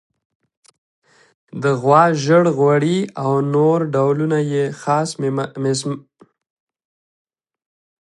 د غوا ژړ غوړي او نور ډولونه یې خاص میلمستیاوې وې.